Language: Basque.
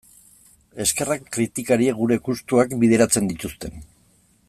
Eskerrak kritikariek gure gustuak bideratzen dituzten...